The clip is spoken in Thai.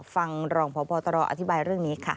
รองพบตรอธิบายเรื่องนี้ค่ะ